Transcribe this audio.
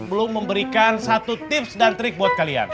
belum memberikan satu tips dan trik buat kalian